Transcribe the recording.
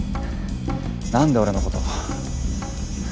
なんで俺のこと？